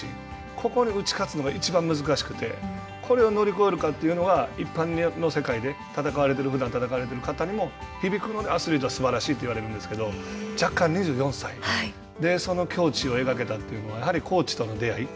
ここに打ち勝つのがいちばん難しくて、これを乗り越えるかというのは一般の世界で戦われているふだん戦われている人にも響くのでアスリートはすばらしいって言われるんですけど、若干２４歳でその境地を描けたというのは、コーチとの出会い。